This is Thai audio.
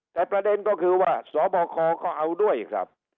แต่ประเด็นก็คือว่าสบคก็เอาด้วยครับ